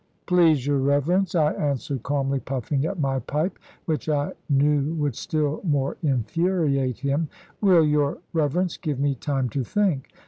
"Please your Reverence," I answered, calmly puffing at my pipe, which I knew would still more infuriate him: "will your Reverence give me time to think?